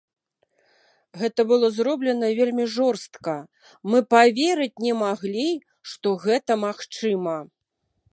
Гэта было зроблена вельмі жорстка, мы паверыць не маглі, што гэта магчыма.